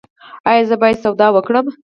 ایا زه باید سودا وکړم؟